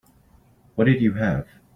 What did you have?